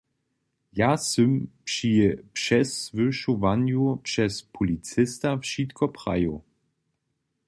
Ja sym při přesłyšowanju přez policista wšitko prajił.